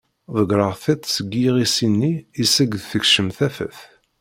Ḍegreɣ tiṭ seg yiɣisi-nni iseg d-tkeccem tafat.